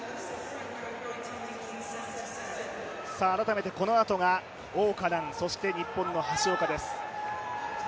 改めてこのあとが王嘉男、そして日本の橋岡です。